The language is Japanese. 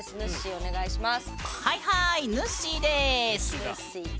お願いします！